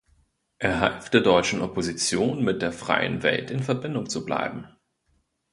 Er half der deutschen Opposition, mit der freien Welt in Verbindung zu bleiben.